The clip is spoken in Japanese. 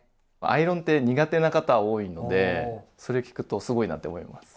アイロンって苦手な方多いのでそれ聞くとすごいなって思います。